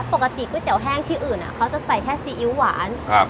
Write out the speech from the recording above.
ก๋วยเตี๋ยวแห้งที่อื่นอ่ะเขาจะใส่แค่ซีอิ๊วหวานครับ